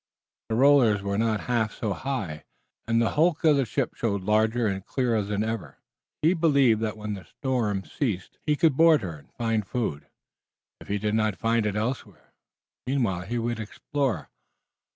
The rollers were not half so high and the hulk of the ship showed larger and clearer than ever. He believed that when the storm ceased he could board her and find food, if he did not find it elsewhere. Meanwhile he would explore.